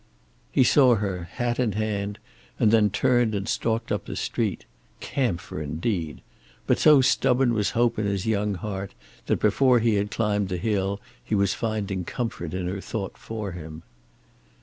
He saw her in, hat in hand, and then turned and stalked up the street. Camphor, indeed! But so stubborn was hope in his young heart that before he had climbed the hill he was finding comfort in her thought for him.